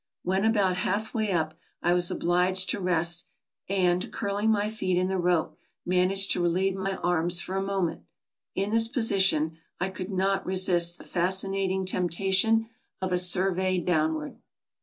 When about halfway up I was obliged to rest, and, curling my feet in the rope, managed to relieve my arms for a moment. In this position I could not resist the fascinating temptation of a survey downward.